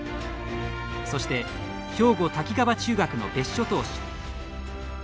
そして兵庫・滝川中学の別所投手。